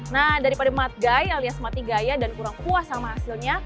nah daripada matgai alias mati gaya dan kurang puas sama hasilnya